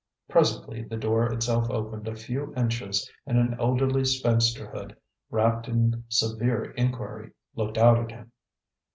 Presently the door itself opened a few inches, and elderly spinsterhood, wrapped in severe inquiry, looked out at him.